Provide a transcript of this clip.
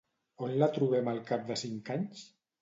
On la trobem al cap de cinc anys?